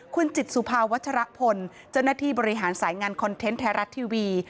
คุณจิตสุภาวัชรพลเจ้าหน้าที่บริหารสายงานคอนเทนต์ไทยรัฐทีวี